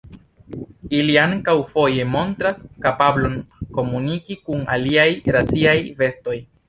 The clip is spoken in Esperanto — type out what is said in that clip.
Ili ankaŭ foje montras kapablon komuniki kun aliaj raciaj bestoj.